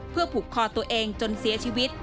เพื่อผูกคอตัวเองจนเสียชีวิต